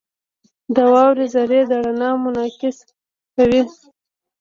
• د واورې ذرې د رڼا انعکاس کوي.